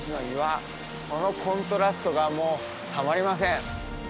このコントラストがもうたまりません！